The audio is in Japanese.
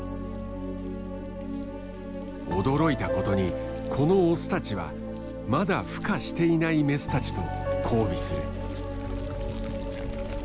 驚いたことにこのオスたちはまだふ化していないメスたちと交尾する。